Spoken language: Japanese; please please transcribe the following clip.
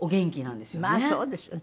まあそうですね。